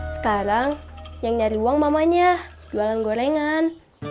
sekarang yang nyari uang mamanya jualan gorengan